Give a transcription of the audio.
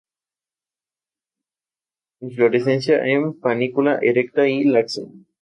Inflorescencia en panícula erecta y laxa.